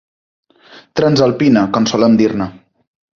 Transalpina, com solem dir-ne.